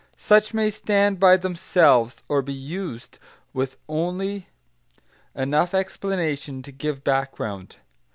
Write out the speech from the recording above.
Such may stand by themselves, or be used with only enough explanation to give background.